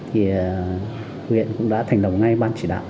thì huyện cũng đã thành đồng ngay ban chỉ đạo